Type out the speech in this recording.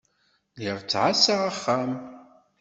Lliɣ ttɛassaɣ axxam.